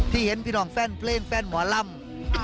เห็นพี่น้องแฟนเพลงแฟนหมอลำ